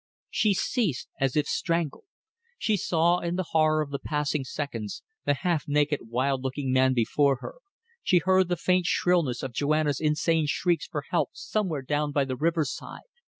..." She ceased as if strangled. She saw in the horror of the passing seconds the half naked, wild looking man before her; she heard the faint shrillness of Joanna's insane shrieks for help somewhere down by the riverside.